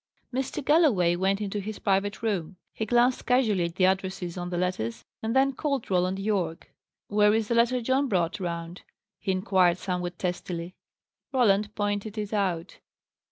Mr. Galloway went into his private room. He glanced casually at the addresses on the letters, and then called Roland Yorke. "Where is the letter John brought round?" he inquired, somewhat testily. Roland pointed it out.